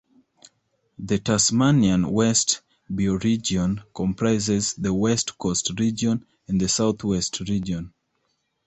The Tasmanian West bioregion comprises the West Coast region and the South West region.